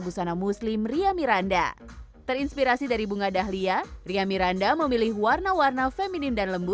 busana muslim ria miranda terinspirasi dari bunga dahlia ria miranda memilih warna warna feminin dan lembu